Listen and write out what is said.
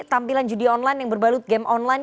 tampilan judi online yang berbalut game online